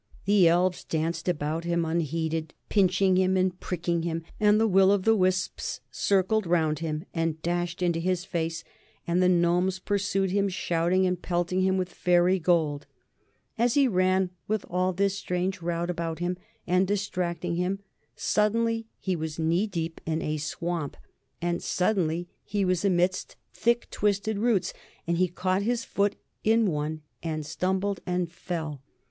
The elves danced about him unheeded, pinching him and pricking him, and the will o' the wisps circled round him and dashed into his face, and the gnomes pursued him shouting and pelting him with fairy gold. As he ran with all this strange rout about him and distracting him, suddenly he was knee deep in a swamp, and suddenly he was amidst thick twisted roots, and he caught his foot in one and stumbled and fell....